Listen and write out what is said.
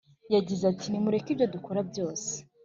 yagize ati “nimureke ibyo dukora byose,